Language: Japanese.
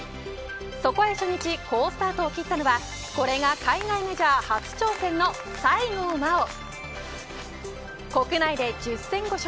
そこへ初日好スタートを切ったのはこれが海外メジャー初挑戦の西郷真央。